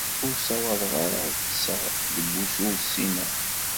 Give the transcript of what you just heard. Ur ssawaḍeɣ ara ad ṭṭseɣ deg usu ur ssineɣ.